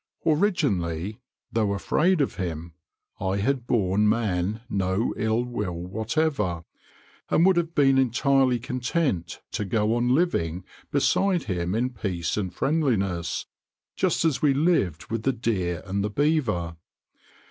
Originally, though afraid of him, I had borne man no ill will whatever, and would have been entirely content to go on living beside him in peace and friendliness, just as we lived with the deer and the beaver.